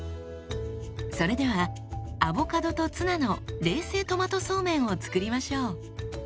それではアボカドとツナの冷製トマトそうめんを作りましょう。